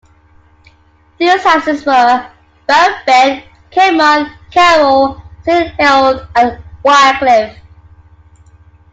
These houses were: Barrett, Bede, Caedmon, Carroll, Saint Hild and Wycliffe.